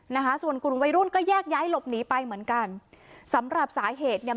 นะคะส่วนกลุ่มวัยรุ่นก็แยกย้ายหลบหนีไปเหมือนกันสำหรับสาเหตุเนี่ย